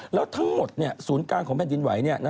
แล้วทั้งหมดศูนย์กลางของแผ่นดินไหว